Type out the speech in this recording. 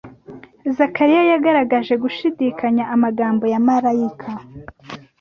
Zakariya yagaragaje gushidikanya amagambo ya marayika.